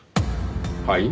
はい？